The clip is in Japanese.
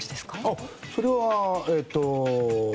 あっそれはえっと